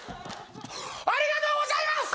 ありがとうございます！